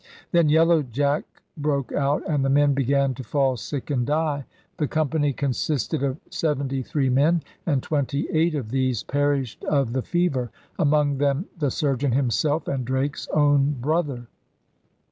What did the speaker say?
Then * Yellow Jack' broke out, and the men began to fall sick and die. The company consisted of seventy three men; and twenty eight of these perished of the fever, among them the surgeon himself and Drake's own brother.